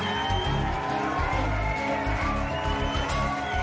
โอ้โห